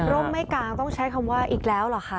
ไม่กลางต้องใช้คำว่าอีกแล้วเหรอคะ